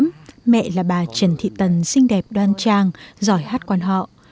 nhân kỷ niệm mẹ là bà trần thị tần xinh đẹp đoan trang giỏi hát quan họ